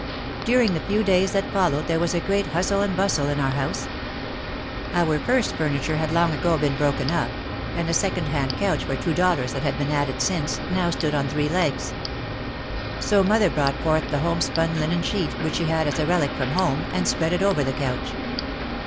During the few days that followed there was a great hustle and bustle in our house. Our first furniture had 202 OUT OF THE SHADOW long ago been broken up, and a second hand couch for two dollars that had been added since, now stood on three legs. So mother brought forth the homespun linen sheet, which she had as a relic from home, and spread it over the couch.